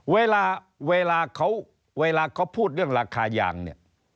เวลาเวลาเขาเวลาเขาพูดเรื่องราคายางเนี่ย